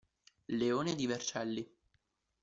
Leone di Vercelli